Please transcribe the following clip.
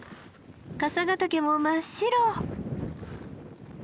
笠ヶ岳も真っ白！